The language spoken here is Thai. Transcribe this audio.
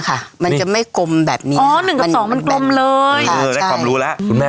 อันนี้ใช่ไหมคะ